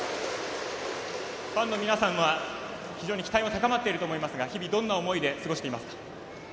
ファンの皆さんは非常に期待も高まっていると思いますが日々、どんな思いで過ごしていますか？